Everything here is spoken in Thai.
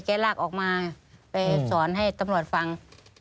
ลากออกมาไปสอนให้ตำรวจฟัง